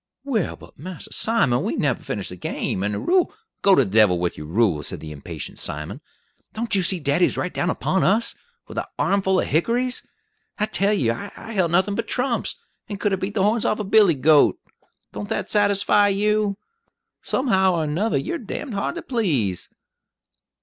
"Well, but Mass Simon, we nebber finish de game, and de rule " "Go to the devil with your rule!" said the impatient Simon. "Don't you see daddy's right down upon us, with an armful of hickories? I tell you, I helt nothin' but trumps, and could 'a' beat the horns off a billy goat. Don't that satisfy you? Somehow or another, you're d d hard to please!"